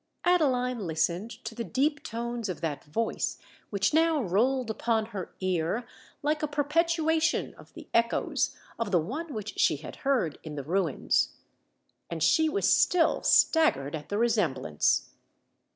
Adeline listened to the deep tones of that voice which now rolled upon her ear like a perpetuation of the echoes of the one which she had heard in the ruins;—and she was still staggered at the resemblance!